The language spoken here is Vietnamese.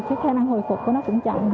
khả năng hồi phục của nó cũng chậm